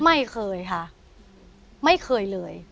ไม่เคยค่ะไม่เคยเลย